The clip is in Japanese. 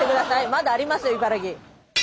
まだありますよ茨城。